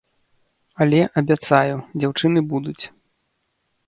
Але, абяцаю, дзяўчыны будуць.